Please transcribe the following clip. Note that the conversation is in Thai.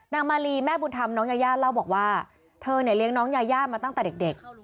มาลีแม่บุญธรรมน้องยายาเล่าบอกว่าเธอเนี่ยเลี้ยงน้องยายามาตั้งแต่เด็ก